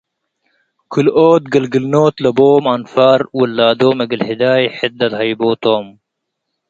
ክልኦት ግልግኖት ለቦም አንፋር ውላዶም እግል ህዳይ ሕድ ለልሀይቦ ቶም ።